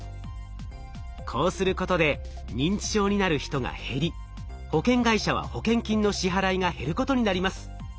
こうすることで認知症になる人が減り保険会社は保険金の支払いが減ることになります。